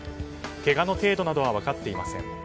けがの程度などは分かっていません。